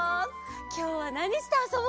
きょうはなにしてあそぼうかな？